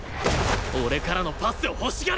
俺からのパスを欲しがれ！